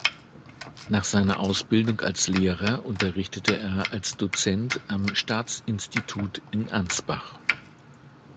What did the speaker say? Nach seiner Ausbildung als Lehrer unterrichtete er als Dozent am Staatsinstitut in Ansbach.